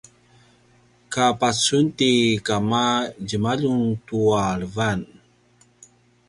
ka pacun ti kama djemli tua levan